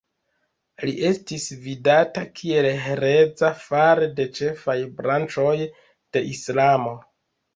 Li estis vidata kiel hereza fare de ĉefaj branĉoj de Islamo.